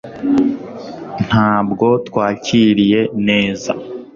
Ntabwo twakiriye neza